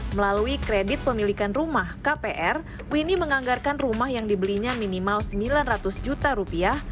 melalui kredit pemilikan rumah kpr winnie menganggarkan rumah yang dibelinya minimal sembilan ratus juta rupiah